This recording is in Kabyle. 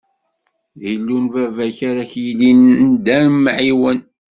D Illu n baba-k ara k-yilin d Amɛiwen.